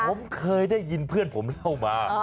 ผมเคยได้ยินเพื่อนผมเล่ามา